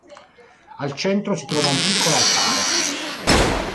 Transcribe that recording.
Al centro si trova un piccolo altare.